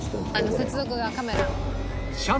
「接続がカメラの」